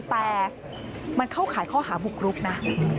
แต่มันเข้าข่ายข้อหาบุกรุกนะ